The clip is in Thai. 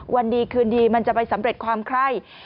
วันดีคืนดีมันจะไปสำเร็จความไคร่